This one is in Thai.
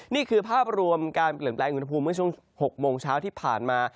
นี่คือภาพรวมการเปลี่ยนแปลงอุณหภูมิเมื่อช่วง๖โมงเช้าที่ผ่านมา